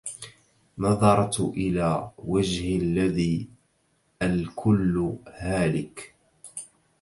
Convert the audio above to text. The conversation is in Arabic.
نظرت إلى وجه الذي الكل هالك